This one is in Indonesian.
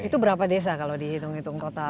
itu berapa desa kalau dihitung hitung total